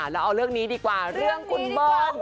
เราเอาเรื่องนี้ดีกว่าเรื่องคุณเบิ้ล